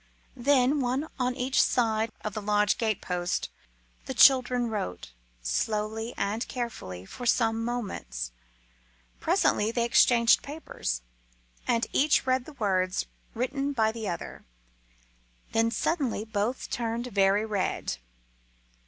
Then, one on each side of the lodge gate post, the children wrote, slowly and carefully, for some moments. Presently they exchanged papers, and each read the words written by the other. Then suddenly both turned very red.